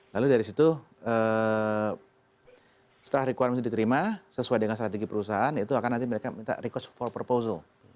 lalu dari situ setelah requad itu diterima sesuai dengan strategi perusahaan itu akan nanti mereka minta record for proposal